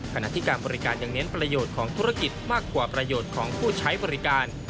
ขณะที่การบริการยังเน้นประโยชน์ของธุรกิจมากกว่าประโยชน์ของผู้ใช้บริการ